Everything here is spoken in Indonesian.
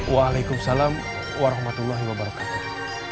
waalaikumsalam warahmatullahi wabarakatuh